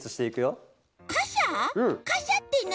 かしゃってなに？